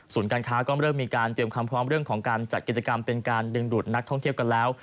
การค้าก็เริ่มมีการเตรียมความพร้อมเรื่องของการจัดกิจกรรมเป็นการดึงดูดนักท่องเที่ยวกันแล้ว